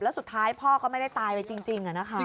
แล้วสุดท้ายพ่อก็ไม่ได้ตายไปจริง